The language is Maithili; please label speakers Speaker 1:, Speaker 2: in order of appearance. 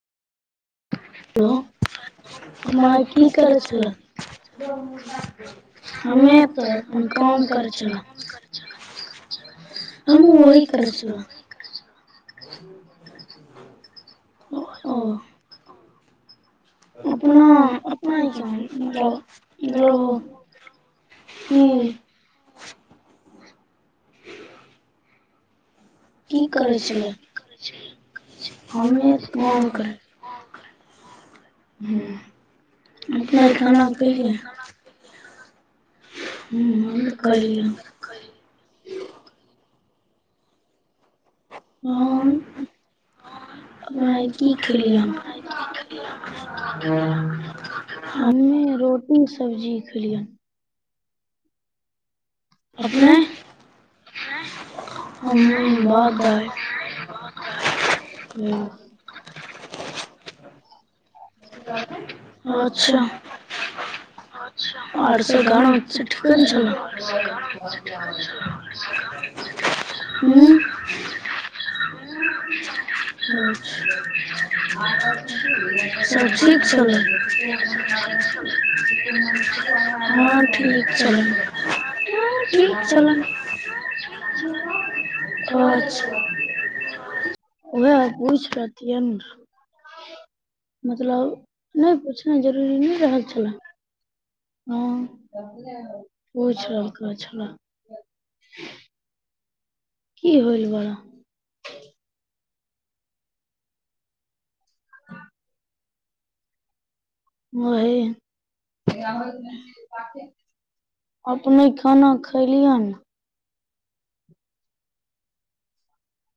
Speaker 1: हेलो माय की करै छलै हमे तऽ हम काम करै छलौं [unintelligible]
Speaker 2: हमहुँ वही करै छलौं
Speaker 1: ओ ओ
Speaker 2: अपना अपना मतलब मतलब की ह [inaudible]
Speaker 1: की करै छलै ज [inaudible]
Speaker 2: हमे काम करै हूँ अपने खाना खैलियै हूँ हमें खैलिय
Speaker 1: हम मैगी खेलियन इ [inaudible]
Speaker 2: मम्मी रोट उ सब्जी खेलियन अपने
Speaker 1: आँय हमँ भात दाइल।
Speaker 2: हूँ
Speaker 1: अच्छा आओर सभ घरो मे ठीके ने छलौ [unintelligible] हुम्म अच्छा सभ ठीक छलौ हँ ठीक छलै हाँ ठीक छलनि अच्छा
Speaker 2: उहाए पुछ लथिन न मतलब नहि पूछना जरूरी नहि रहल छलाह हाँ पूछ रह के छेलाह की होइल बा वही अपने खाना खयलियन